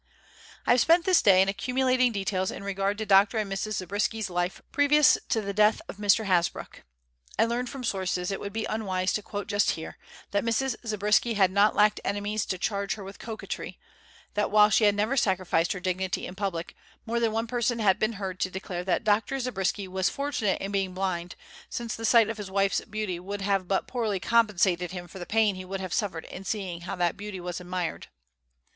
I have spent this day in accumulating details in regard to Dr. and Mrs. Zabriskie's life previous to the death of Mr. Hasbrouck. I learned from sources it would be unwise to quote just here, that Mrs. Zabriskie had not lacked enemies to charge her with coquetry; that while she had never sacrificed her dignity in public, more than one person had been heard to declare that Dr. Zabriskie was fortunate in being blind, since the sight of his wife's beauty would have but poorly compensated him for the pain he would have suffered in seeing how that beauty was admired.